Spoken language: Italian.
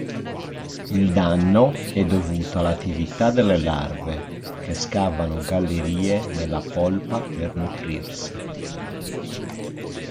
Il danno è dovuto all'attività delle larve che scavano gallerie nella polpa per nutrirsi.